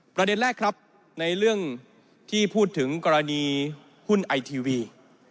ประเด็นแรกครับในเรื่องที่พูดถึงกรณีหุ้นไอทีวี